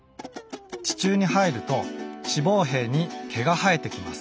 地中に入ると子房柄に毛が生えてきます。